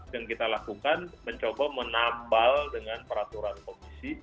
yang kita lakukan mencoba menambal dengan peraturan komisi